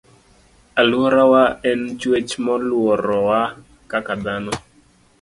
Aluorawa en chuech moluorowa kaka dhano